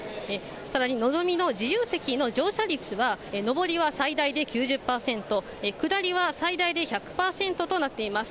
さらに、のぞみの自由席の乗車率は上りは最大で９０％、下りは最大で１００％となっています。